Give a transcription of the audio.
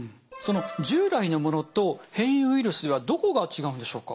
従来のものと変異ウイルスではどこが違うんでしょうか？